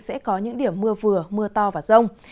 sẽ có những điểm mưa vừa mưa to và rông